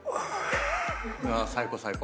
最高最高。